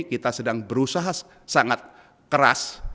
kita sedang berusaha sangat keras